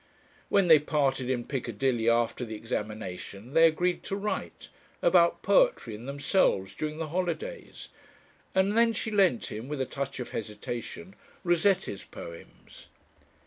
When they parted in Piccadilly, after the examination, they agreed to write, about poetry and themselves, during the holidays, and then she lent him, with a touch of hesitation, Rossetti's poems.